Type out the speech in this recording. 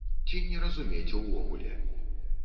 Ці не разумець увогуле.